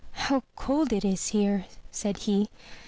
"How cold it is here!" said he.